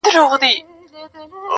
وازه خوله د مرګ راتللو ته تیار سو٫